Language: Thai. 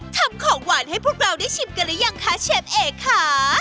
ทำของหวานให้พวกเราได้ชิมกันหรือยังคะเชฟเอกค่ะ